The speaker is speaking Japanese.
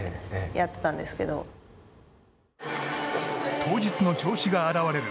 当日の調子が表れる